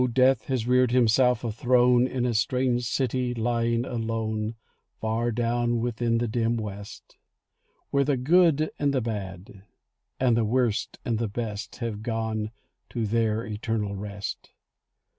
Death has reared himself a throne In a strange city lying alone Far down within the dim West, Wherethe good and the bad and the worst and the best Have gone to their eternal rest.